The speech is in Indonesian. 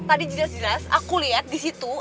tadi jelas jelas aku lihat disitu